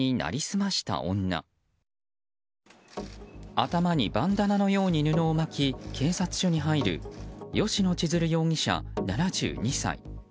頭にバンダナのように布を巻き警察署に入る吉野千鶴容疑者、７２歳。